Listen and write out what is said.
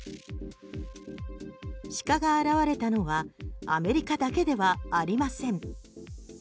鹿が現れたのはアメリカだけではありません。